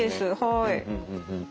はい。